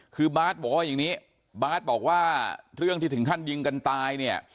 คือบาทบอกว่าอย่างนี้บาทบอกว่าเรื่องที่ถึงขั้นยิงกันตายเนี่ย